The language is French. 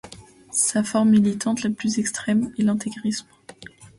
Sa forme militante la plus extrême est l'intégrisme.